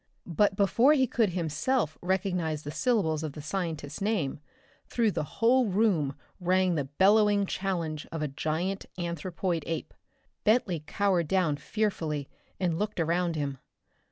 But before he could himself recognize the syllables of the scientist's name, through the whole room rang the bellowing challenge of a giant anthropoid ape. Bentley cowered down fearfully and looked around him.